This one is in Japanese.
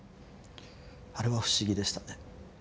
あれは不思議でしたね。